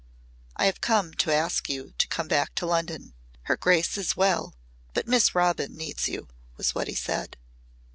"I have come to ask you to come back to London. Her grace is well but Miss Robin needs you," was what he said.